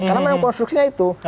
karena memang konstruksinya itu